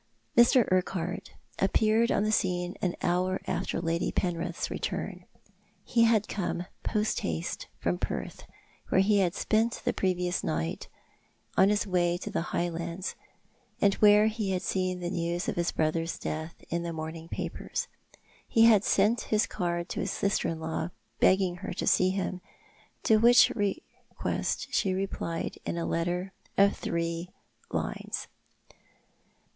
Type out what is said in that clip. Mr. Urquhart appeared on the scene an hour after Lady Penrith's return. He had come post haste from Perth, where he had spent the previous night, on his way to the Highlands, and where he had seen the news of his brother's death in tho morning papers. He sent his card to his sister in law, begging her to see him, to which request she replied in a letter of three lines.